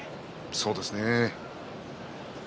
そうですね。